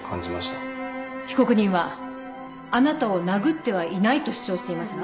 被告人はあなたを殴ってはいないと主張していますが。